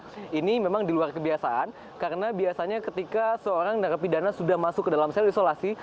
dan ini juga menjadi kontradiktif karena biasanya ketika seorang narapidana sudah masuk ke dalam sel isolasi